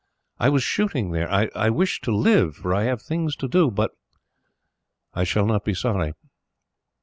I was shooting there. I wish to live, for I have things to do.... but I shall not be sorry."